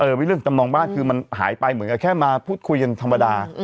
เป็นเรื่องจำนองบ้านคือมันหายไปเหมือนกับแค่มาพูดคุยกันธรรมดา